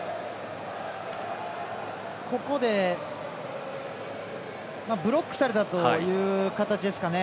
少しブロックされたという形ですかね。